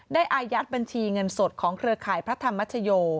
อายัดบัญชีเงินสดของเครือข่ายพระธรรมชโย